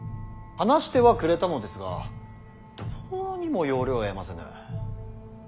話してはくれたのですがどうにも要領を得ませぬ。